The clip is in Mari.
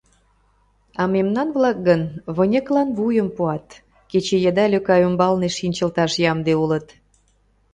А мемнан-влак гын выньыклан вуйым пуат, кече еда лӧка ӱмбалне шинчылташ ямде улыт.